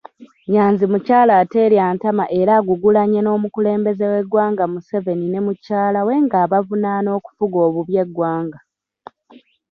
Nyanzi mukyala aterya ntama era agugulanye n'omukulembeze w'eggwanga Museveni ne mukyalawe ng'abavunaana okufuga obubi eggwanga.